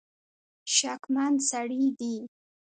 شکمن سړي دي.